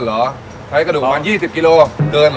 อ๋อเหรอใช้กระดูกมัน๒๐กิโลเดินหรอ